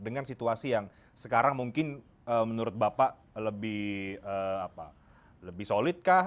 dengan situasi yang sekarang mungkin menurut bapak lebih solid kah